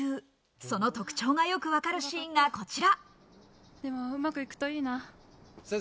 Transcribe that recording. その特徴がよく分かるシーンがこちら。